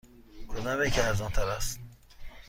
کدامیک ارزان تر است؟